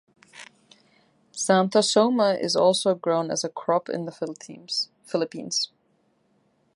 "Xanthosoma" is also grown as a crop in the Philippines.